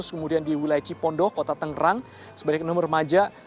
kemudian di wilayah cipondoh kota tangerang sebanyak enam remaja